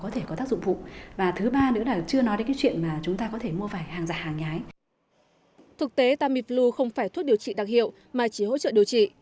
thực tế tamiflu không phải thuốc điều trị đặc hiệu mà chỉ hỗ trợ điều trị